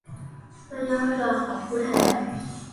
ระยะเวลาของผู้แทน